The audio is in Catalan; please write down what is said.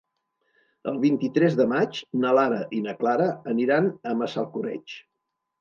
El vint-i-tres de maig na Lara i na Clara aniran a Massalcoreig.